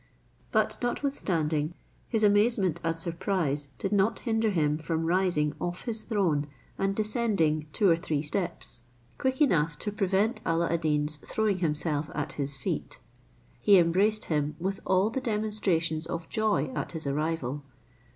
But, notwithstanding, his amazement and surprise did not hinder him from rising off his throne, and descending two or three steps, quick enough to prevent Alla ad Deen's throwing himself at his feet. He embraced him with all the demonstrations of joy at his arrival.